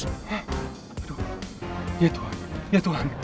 eh aduh ya tuhan ya tuhan